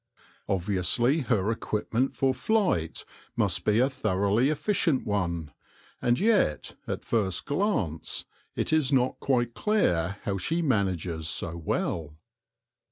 Obviously her equipment for flight must be a thoroughly efficient one, and yet at first glance it is not quite clear how she manages so well.